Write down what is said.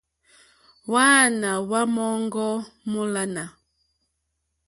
Hwáāná hwá má òŋɡô mólánà.